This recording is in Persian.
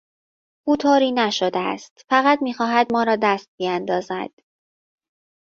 او طوری نشده است، فقط میخواهد ما را دست بیاندازد.